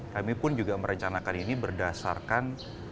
kami pun juga merencanakan ini berdasarkan